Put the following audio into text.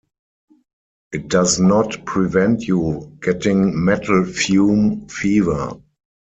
It does not prevent you getting metal fume fever.